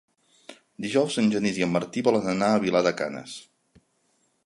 Dijous en Genís i en Martí volen anar a Vilar de Canes.